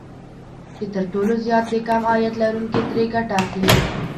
چې تر ټولو زيات د کم عاید لرونکي ترې ګټه اخلي